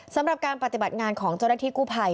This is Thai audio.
สำหรับการปฏิบัติงานของเจ้าหน้าที่กู้ภัย